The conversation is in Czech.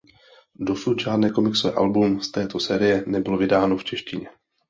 Dosud žádné komiksové album z této série nebylo vydáno v češtině.